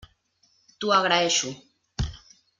T'ho agraeixo.